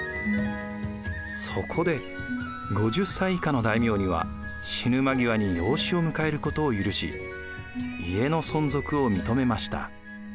そこで５０歳以下の大名には死ぬ間際に養子を迎えることを許し家の存続を認めました。